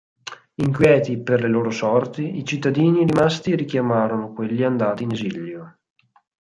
Inquieti per le loro sorti, i cittadini rimasti richiamarono quelli andati in esilio.